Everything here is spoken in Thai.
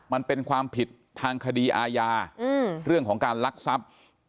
มันเป็นความผิดทางคดีอาญาเรื่องของการลักทรัพย์